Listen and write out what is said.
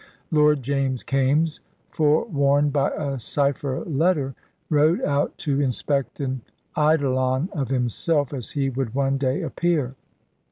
Lord James Kaimes, forewarned by a cypher letter, rowed out to inspect an eidolon of himself, as he would one day appear.